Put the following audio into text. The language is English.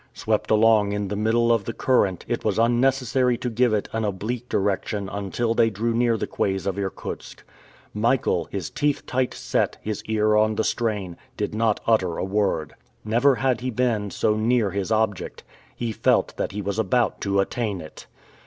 Swept along in the middle of the current, it was unnecessary to give it an oblique direction until they drew near the quays of Irkutsk. Michael, his teeth tight set, his ear on the strain, did not utter a word. Never had he been so near his object. He felt that he was about to attain it!